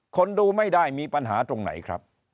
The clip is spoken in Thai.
คนดูไม่ได้มีปัญหาตรงไหนครับ